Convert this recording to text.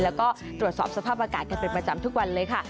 แล้วก็ตรวจสอบสภาพอากาศกันเป็นประจำทุกวันเลยค่ะ